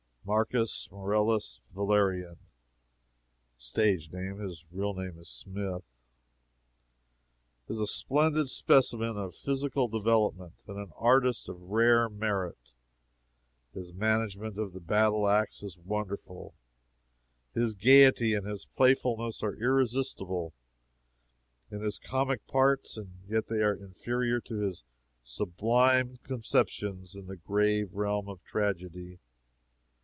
Marcus Marcellus Valerian (stage name his real name is Smith,) is a splendid specimen of physical development, and an artist of rare merit. His management of the battle ax is wonderful. His gayety and his playfulness are irresistible, in his comic parts, and yet they are inferior to his sublime conceptions in the grave realm of tragedy.